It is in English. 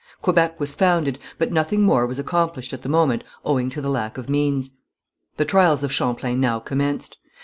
Quebec was founded, but nothing more was accomplished at the moment owing to the lack of means. The trials of Champlain now commenced.